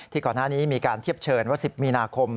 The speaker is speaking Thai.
ก่อนหน้านี้มีการเทียบเชิญว่า๑๐มีนาคม